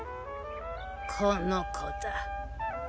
この子だ。